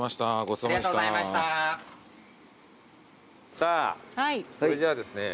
さぁそれじゃあですね